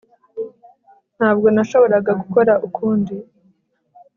Ntabwo nashoboraga gukora ukundi